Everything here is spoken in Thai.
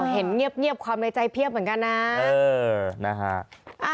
เห็นเงียบความในใจเพียบเหมือนกันนะ